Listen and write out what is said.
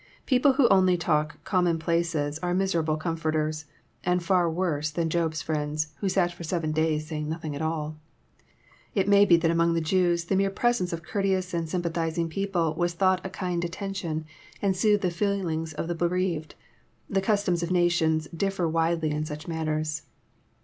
People who only talk common places are miserable comforters, and far worse than Job's friends, who sat for seven days saying nothing at all. It may be that among the Jews the mere presence of courteous and sympathizing people was thought a kind attention, and soothed the feelings of the be reaved. The customs of nations differ widely in such matters.